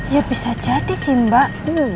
ya bisa jadi sih mbak